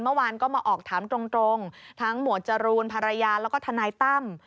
เมื่อวานก็มาออกถามตรงทั้งหมวดจรูนภรรยาแล้วก็ทนายตั้ม